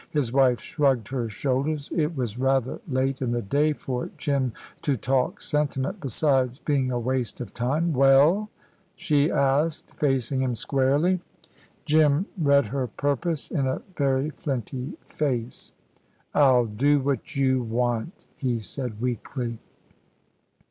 His wife shrugged her shoulders. It was rather late in the day for Jim to talk sentiment, besides being a waste of time. "Well?" she asked, facing him squarely. Jim read her purpose in a very flinty face. "I'll do what you want," he said weakly.